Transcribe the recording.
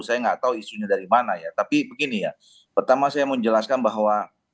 saya nggak tahu isunya dari mana ya tapi begini ya pertama saya menjelaskan bahwa